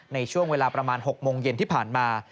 ในช่วงเวลาประมาณ๖โมงเย็นที่ผ่านมา